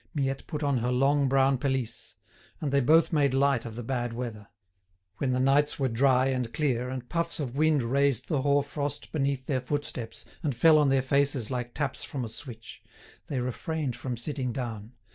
Miette put on her long brown pelisse, and they both made light of the bad weather. When the nights were dry and clear, and puffs of wind raised the hoar frost beneath their footsteps and fell on their faces like taps from a switch, they refrained from sitting down.